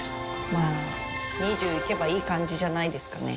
まあ、２０いけばいい感じじゃないですかね。